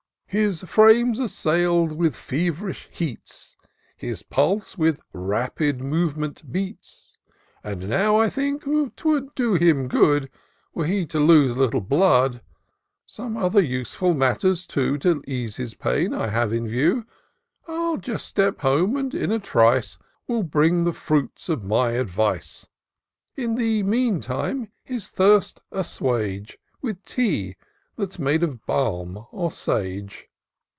His frame's assail'd with fevnsh heats; His pulse with rapid movement beats ; And now, I think, 'twould do him good, Were he to lose a little blood : Some other useful matters, too. To ease his pain, I have in view. I'll just step home, and, in a trice. Will bring the fruits of my advice ; In the meantime, his thirst assuage With tea that's made of balm or sage."